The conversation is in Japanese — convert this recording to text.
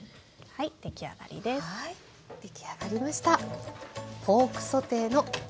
はい出来上がりました。